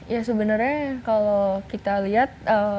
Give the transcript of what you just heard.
ya sebenarnya kalau kita lihat